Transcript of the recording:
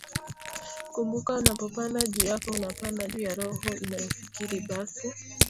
kumbuka unapopanda juu yako unapanda juu ya roho inayofikiri Basi